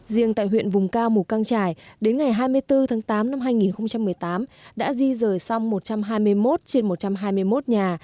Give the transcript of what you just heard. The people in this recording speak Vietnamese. riêng tại huyện vùng cao mù căng trải đến ngày hai mươi bốn tháng tám năm hai nghìn một mươi tám đã di rời xong một trăm hai mươi một trên một trăm hai mươi một nhà